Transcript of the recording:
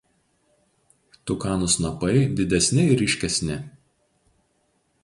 Tukanų snapai didesni ir ryškesni.